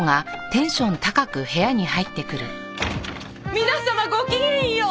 皆様ごきげんよう！